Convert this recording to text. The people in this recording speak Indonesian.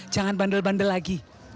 jangan bandel bandel lagi